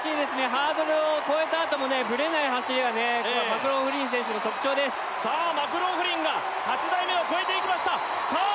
ハードルを越えたあともぶれない走りがマクローフリン選手の特徴ですさあマクローフリンが８台目を越えていきましたさあ